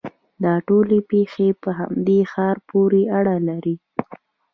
دا ټولې پېښې په همدې ښار پورې اړه لري.